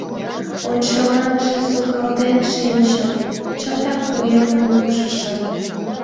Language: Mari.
Ончыланже сукалтен шинчым, чотак вуемым лупшышым.